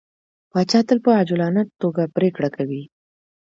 پاچا تل په عجولانه ټوګه پرېکړه کوي.